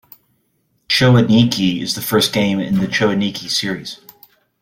"Cho Aniki" is the first game in the "Cho Aniki" series.